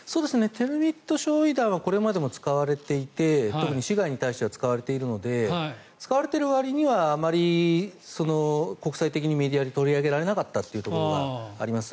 テルミット焼い弾はこれまでも使われていて市街に対しては使われているので使われているわりにはあまり国際的にメディアで取り上げられなかったというところがあります。